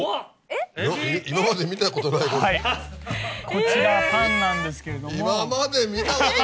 こちらパンなんですけれども。